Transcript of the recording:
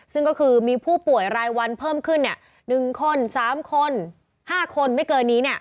ซึ่งก็คือมีผู้ป่วยรายวันเพิ่มขึ้น๑คน๓คน๕คนไม่เกินนี้